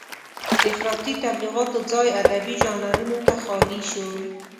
د افراطي تبليغاتو ځای ادبي ژانرونو ته خالي شو.